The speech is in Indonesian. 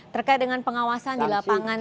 terkait dengan pengawasan di lapangan